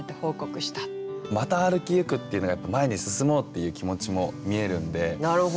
「また歩きゆく」っていうのがやっぱ前に進もうっていう気持ちも見えるんで。